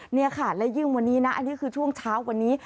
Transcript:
นี่ค่ะและยิ่งวันนี้นะอันนี้คือช่วงเช้าวันนี้